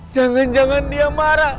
jangan jangan dia marah